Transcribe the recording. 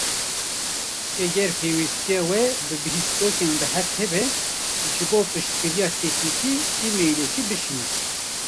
Eger pêwîstiya we bi bihîstokên rihet hebe, ji bo piştgiriya teknîkî emailekî bişînin.